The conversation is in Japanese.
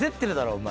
お前。